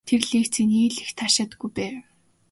Тэр лекцийг нэг их таашаадаггүй байв.